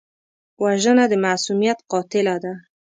وژنه د معصومیت قاتله ده